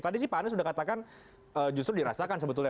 tadi sih pak anies sudah katakan justru dirasakan sebetulnya